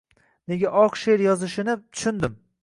Nega oq she’r yozilishini tushundim